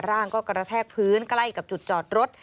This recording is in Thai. ร่างก็กระแทกพื้นใกล้กับจุดจอดรถ